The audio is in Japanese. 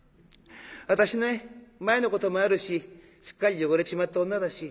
私ね前のこともあるしすっかり汚れちまった女だし